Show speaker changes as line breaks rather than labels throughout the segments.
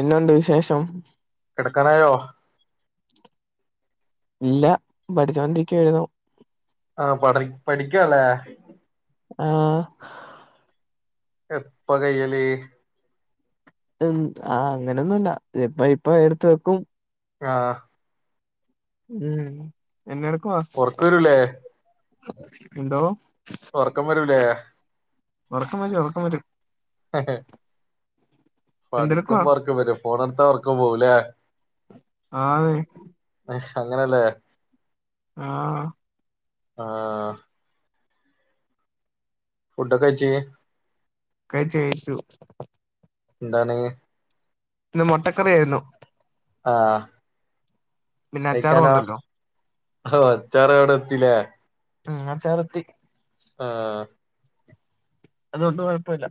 എന്നുണ്ട് വിശേഷം?
കിടക്കാനായോ?
ഇല്ല പഠിച്ചോണ്ടിരിക്കുവായിരുന്നു
ആഹ് പഠ പഠക്കല്ലെ
ആഹ്
എപ്പാ കയ്യല്
ഉം ആ അങ്ങനൊന്നും ഇല്ല ഇപ്പ ഇപ്പ എടുത്ത് വെക്കും
ആഹ്
ഉം എന്നെടുക്കുവാ
ഉറക്കം വരൂലേ
എന്തോ?
ഉറക്കം വരൂലേ
ഒറക്കെ വായിച്ചോ ഒറക്കം വരും എന്തെടുക്കുവാ
പഠിക്കുമ്പോ ഒറക്കം വരു ഫോണെടുത്താ ഒർക്കം പോവും ലെ
ആന്ന്
ശ്ശ് അങ്ങനെല്ലേ
ആ
ആഹ് ഫുഡോക്കെ കഴിചേ നീ
കൈച്ചുയിച്ചു
എന്താണ്
ഇന്ന് മൊട്ടക്കറിയായിരുന്നു
ആഹ്
പിന്നെ അച്ചാറും
കഴിക്കാനോ
ഉണ്ടല്ലോ
ഹ് അച്ചാറവിടെ എത്തില്ലേ
ഉം അച്ചാറെത്തി
ആഹ്.
അതുഒന്ന് കുഴപ്പൊല്ല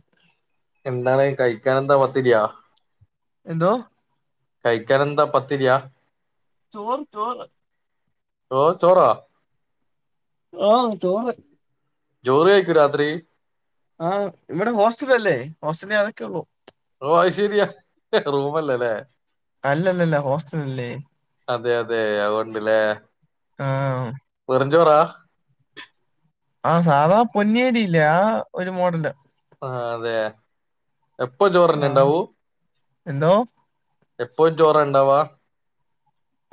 എന്താണ് കഴിക്കാന എന്താ പത്തിരിയാ.
എന്തോ..
കൈഴികാനെന്താ പത്തിരിയാ.
ചോർ ചോർ.
ചോറ് ചോറാ..
ഓഹ് ചോർ.
ജോറ് കഴികൊ രാത്രി
ആഹ ഇവിടെ ഹോസ്റ്റല അല്ലേ ഹോസ്റ്റലതൊക്കെ ഉള്ളൂ
ഓ അയ് ശരിയാ റൂമല്ലേല്ലേ
അല്ലല്ലല്ല ഹോസ്റ്റൽ അല്ലേ
അതെ അതെ അതൊണ്ടല്ലേ
ആം
വെറുംഞ്ചോറാ
ആഹ്സാധാ പൊന്നേരിയില്ലേ ആ ഒരു മോഡല്
ആഹ് അതെ എപ്പൊ ചോറിന്നെ
ആ
ഉണ്ടാവൂ
എന്തോ
എപ്പോഴും ചോറണ്ടാവാ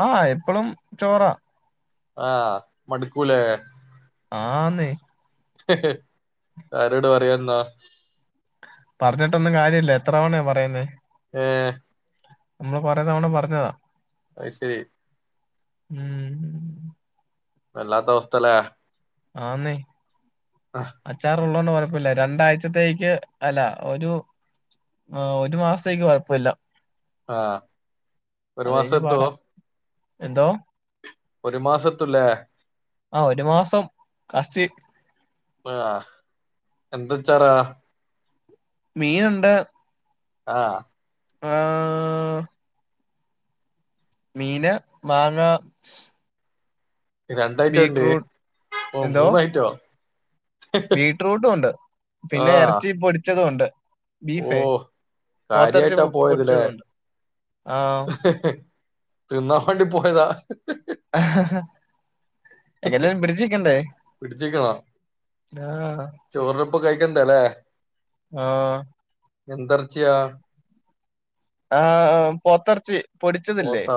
ആഹ്എപ്പോളും ചോറാ.
ആഹ് മടുക്കൂലെ
ആന്നെ
ആരോട് പറയാന്നാ
പറഞ്ഞിട്ടൊന്നും കാര്യല്ല എത്ര തവണയ പറയുന്നെ
ഏഹ്
നമ്മൾ കൊറേ തവണ പറഞ്ഞതാ
അയ് ശരി
ഉം
വല്ലാത്ത അവസ്ഥല്ലേ
ആന്നെ
ആഹ്
അച്ചാറ് ഒള്ളൂണ്ട് കൊഴപ്പില്ല രണ്ടാഴ്ചത്തേക്ക് അല്ല ഒരു ആഹ് ഒരു മാസത്തേക്ക് കൊഴപ്പില്ല
ആഹ്
അത് കഴിഞ്ഞ് പാടാ എന്തോ
ഒരു മാസത്തല്ലേ.
ആ ഒരു മാസം കാസ്തി
ആഹ് എന്തച്ചാറാ
മീൻ ഉണ്ട്
ആഹ്
ആഹ് മീന് മാങ്ങ
രണ്ടയ്റ്റം ഉണ്ട്
ബീറ്റ്റൂട്ട്
ഓ
എന്തോ
മൂന്നായിറ്റോ
ബീറ്റ്റൂട്ടും ഉണ്ട്
ആ
പിന്നെ ഇറച്ചി പൊടിച്ചതും ഉണ്ട്
ഓ
ബീഫേ പോത്തെറച്ചി
കാര്യായിട്ടാ പോയതില്ലേ
പൊടിച്ചതും ഒണ്ട് ആഹ്
തിന്നാ വേണ്ടി പോയതാ
ആഹ്ഹ്ഹ്
ഹ് ഹ് പിടിച്ചിക്കണോ
ആഹ്
ചോറിപ്പ കഴിക്കണ്ടെല്ലേ
ആഹ
എന്തർച്ചിയാ
ആഹ് ആംപൊത്തറച്ചി
പോത്ത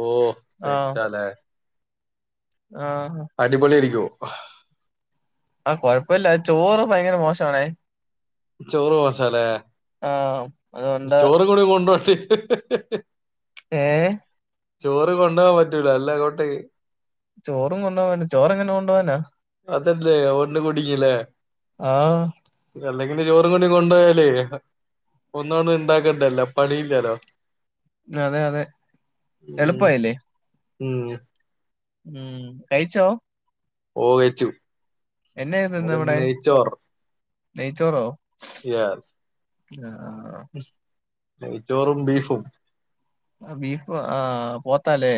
ഓ സെറ്റല്ലേ
ആഹ
അടിപൊളി ആയിരിക്കോ?
ആഹ കൊഴപ്പമില്ല, ചോറ് ഭയങ്കര മോശമാണ്.
ചോറ് മോശാലേ,
ആഹ് അതുകൊണ്ട്
ചോറും കൂടി കൊണ്ടോട്ടി.
ഏ...
ചോറ് കൊണ്ടുപോകൻ പറ്റല അല്ല അങ്ങോട്ട്.
ചോറും കൊണ്ടുപോകാൻ, ചോറെങ്ങനെ കൊണ്ട് പോകാനാ?
അതല്ലേ ഒന്ന കുടിക്കലേ?
ആഹ്
അല്ലെങ്കിലും ചോറും കൊടി കൊണ്ടു പോയാലേ- ഒന്നോന്ന ഉണ്ടാക്കണ്ടലോ പണിയില്ലല്ലോ.
അതെ, അതെ,
ഉം
എളുപ്പായില്ലേ?
ഉം..
ഉം.. കഴച്ചോ?
ഓകച്ചു?
എന്നെ എന്താ
നമുക്ക്
അവടെ?
നെയ്ച്ചോറ്
നെയ്ച്ചോറോ?
യസ്.
ആഹാ ആഹാ..
ച്ചോറും, ബീഫും.
ആഹാ ബീഫ, ആഹ് പോത്താലേ?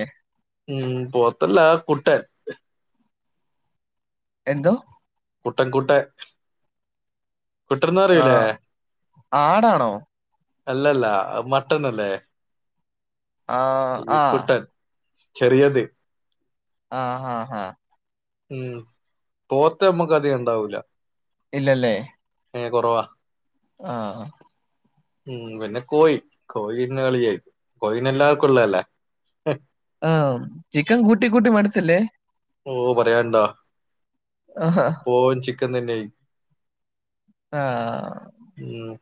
ഉം പോത്തല്ല കുട്ടൻ.
എന്തോ?
കുട്ടൻ, കുട്ടൻ കുട്ടനിന്നുപറയില്ലേ?
ആഹ് ആടാണോ?
അല്ലല്ല മട്ടൻ അല്ലേ?
ആഹ്
ഈ
ആഹ്
കുട്ടൻ, ചെറിയത്.
ആഹ, ആഹ, ആഹ,
ഉം പോത്ത നമ്മുക്ക് അത് ഉണ്ടാവൂല.
ഇല്ലല്ലേ?
ഏ കുറവാ.
ആഹ.
ഉം പിന്നെ കോയി കോഴീന്ന്- കളിയായിതു കോഴീന്- എല്ലാവർക്കുംള്ള അല്ലേ.
ആഹ ചിക്കൻ കൂട്ടി, കൂട്ടി, മടുത്തില്ലേ?
ഓ പറയണ്ടാ
ആഹാ.
എപ്പോ ചിക്കൻ തന്നെയായി.
ആഹാ.
ഉം...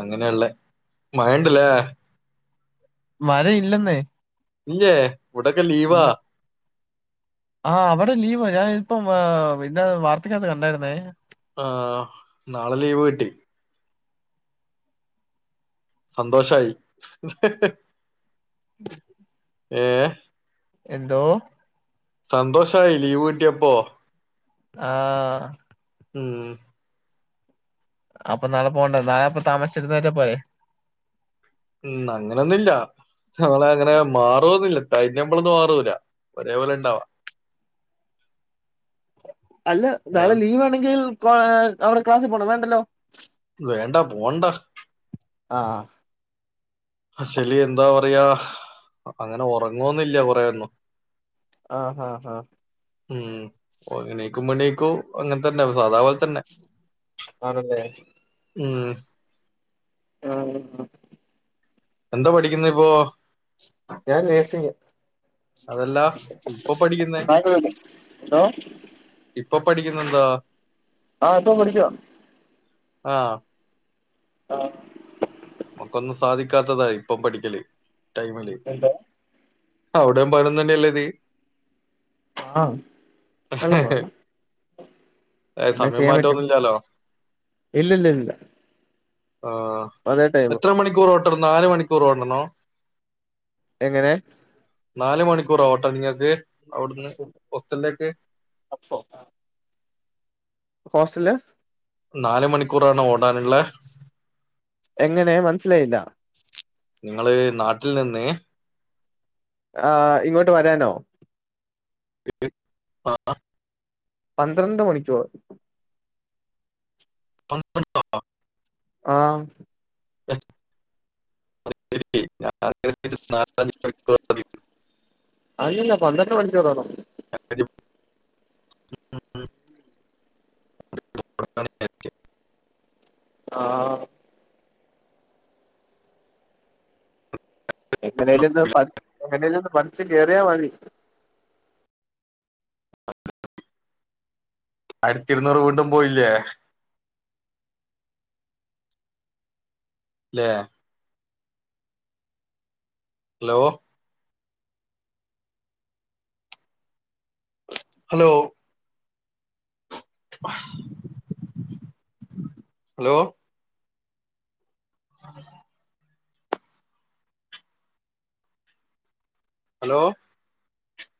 അങ്ങനെയള്ള, മഴണ്ടല്ലേ?
മഴ ഇല്ലെന്നേ.
ഇല്ലേ? ഇവിടൊക്കെ ലീവാ.
ആഹാ അവിടെ ലീവ്, ഞാന് ഇപ്പം പിന്ന വാർത്തക്കകത്ത് കണ്ടായിരുന്നേ.
ആ നാളെ ലീവ് കിട്ടി. സന്തോഷായി.
[unintelligible]
ഏ..
എന്തോ?
സന്തോഷമായി ലീവ് കിട്ടിയപ്പോ.
ആഹാ.
ഉം
അപ്പൊ നളെ പോണ്ട നാളെപ്പൊ താമസിച് എന്നിറ്റ പോരെ
ഉം അങ്ങനൊന്നുമില്ല ഞങ്ങളെ അങ്ങനെ മാറൊന്നില്ല ടൈംടാബ്ലൊന്നും മാറൂല ഒരേപോലെ ഉണ്ടാവാ [inaudible]
അല്ല
ഏ,
നാളെ ലീവ് ആണെങ്കിൽ അവിടെ ക്ലാസ്സിൽ പോണോ വേണ്ടല്ലോ
വേണ്ട പോണ്ട
ആഹ്
ആക്ച്വലി എന്താ പറയാ അങ്ങനെ ഉറങ്ങുവൊന്നില്ല കൊറേ ഒന്നും
ആഹ് ആഹ് ആഹ്
ഉം എണീക്കുമ്പൊ എണീക്കും അങ്ങനെ തന്നെ സാധാപോലെ തന്നെ
അതന്നെ
ഉം
ആഹ് ആഹ്
എന്താ പഠിക്കുന്നെ ഇപ്പോ
ഞാൻ നേഴ്സിംഗ്
അതല്ല ഇപ്പൊ പഠിക്കുന്നേ
എന്തോ [unintelligible]
ഇപ്പൊ പഠിക്കുന്നത് എന്താ
ആഹ് ഇപ്പ പഠിക്കുവാ
ആഹ്
ആഹ്
നമുക്കൊന്നും സാധിക്കാത്തതാ ഇപ്പൊ പഠിക്കല് ടൈമില്
എന്തോ
അവിടെയും പറയുന്നന്നല്ലേ ഇത്
ആഹ് നല്ല പോലെ
സമയം
പറ്റും
മാറ്റൊന്നുമില്ലാലോ
ഇല്ലില്ലില്ല
ആഹ്
അതേ ടൈം
എത്ര മണിക്കൂർ ഓട്ടണം നാല് മണിക്കൂർ ഓടണോ
എങ്ങനെ
നാല് മണിക്കൂറോട്ടണ്ടോ നിങ്ങൾക്ക് അവിടുന്ന് ഹോസ്റ്റലിലേക്ക്
അപ്പൊ ആഹ് ഹോസ്റ്റൽല്
നാല് മണിക്കൂറാണ് ഓടാനുള്ളത്
എങ്ങനെ മനസ്സിലായില്ല
നിങ്ങള് നാട്ടിൽ നിന്ന്
ആഹ് ഇങ്ങോട്ട് വരാനോ
ആഹ്
പന്ത്രണ്ട് മണിക്കൂർ
പന്ത്രണ്ടോ
ആഹ്
അത് ശരി ഞാൻ വിചാരിച്ചു നാല് മണിക്കൂറോള്ളൂന്ന്
അല്ലല്ല പന്ത്രണ്ട് മണിക്കൂർ വേണം
ഉം [inaudible]
ആഹ് എങ്ങനേലൊന്ന് എങ്ങനേലൊന്ന് പഠിച്ച് കേറിയാൽ മതി
അയിരത്തി ഇരുന്നൂറ് വീണ്ടും പോയില്ലേ ഇലേ ഹലോ ഹലോ ഹലോ അതെ ഹലോ